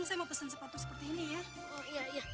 saya mau pesen sepatu seperti ini ya